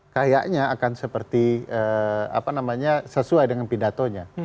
kayaknya akan seperti sesuai dengan pidatonya